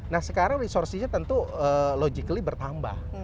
nah sekarang resource nya tentu logically bertambah